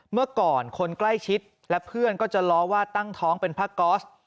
เมื่อก่อนคนใกล้ชิดและเพื่อนก็จะล้อว่าตั้งท้องเป็นผ้าก๊อส